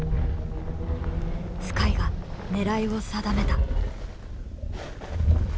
スカイが狙いを定めた。